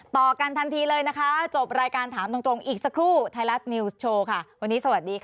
โปรดติดตามตอนต่อไป